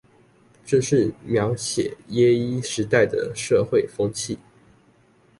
這是描寫耶一時代的社會風氣？